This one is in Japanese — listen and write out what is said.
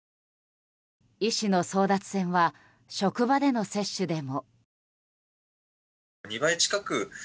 医師の争奪戦は職場での接種でも。